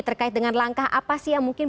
terkait dengan langkah apa sih yang mungkin